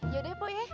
yaudah po ya